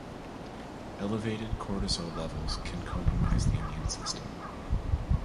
Elevated cortisol levels can compromise the immune system.